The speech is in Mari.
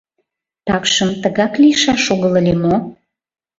Такшым тыгак лийшаш огыл ыле мо?